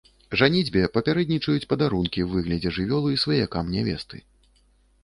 Жаніцьбе папярэднічаюць падарункі ў выглядзе жывёлы сваякам нявесты.